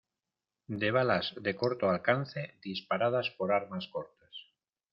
de balas de corto alcance, disparadas por armas cortas.